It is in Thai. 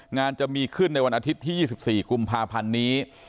งานจะมีขึ้นในวันอาทิตย์ที่๒๔กุมภาพันธ์นี้